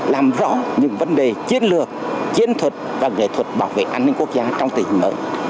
làm rõ những vấn đề chiến lược chiến thuật và nghệ thuật bảo vệ an ninh quốc gia trong tình hình mới